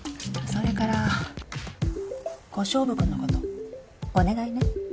それから小勝負君のことお願いね。